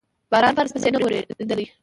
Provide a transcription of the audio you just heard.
باران پرلپسې نه و اورېدلی.